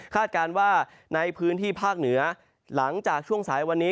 การว่าในพื้นที่ภาคเหนือหลังจากช่วงสายวันนี้